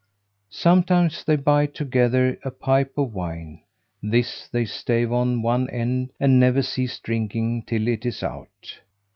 Sometimes they buy together a pipe of wine; this they stave at one end, and never cease drinking till it is out.